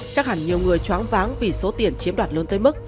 chắc hẳn nhiều người choáng váng vì số tiền chiếm đoạt lớn tới mức